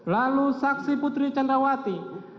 lalu saksi putri candrawati